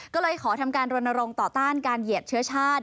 ก็เลยขอทำการรณรงค์ต่อต้านการเหยียดเชื้อชาติ